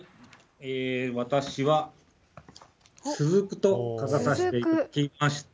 私は続と書かさせていただきました。